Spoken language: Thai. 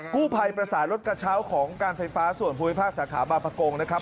กู้ภัยประสานรถกระเช้าของการไฟฟ้าส่วนภูมิภาคสาขาบางประกงนะครับ